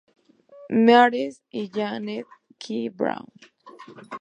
Mares y Janet K. Braun.